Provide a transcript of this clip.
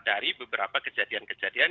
dari beberapa kejadian kejadian